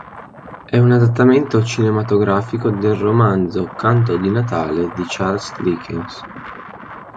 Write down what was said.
È un adattamento cinematografico del romanzo "Canto di Natale" di Charles Dickens.